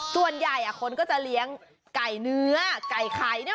ส่วนใหญ่คนก็จะเลี้ยงไก่เนื้อไก่ไข่เนี่ย